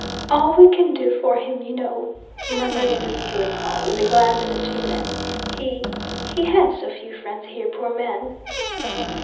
"All we can do for him, you know!" murmured Mrs. Killenhall, with a glance at the two men. "He he had so few friends here, poor man!"